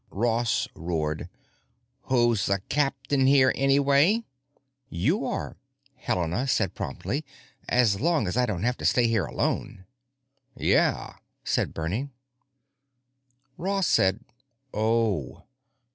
Ross roared: "Who's the captain here, anyway?" "You are," Helena said promptly. "As long as I don't have to stay here alone." "Yeah," said Bernie. Ross said, "Oh."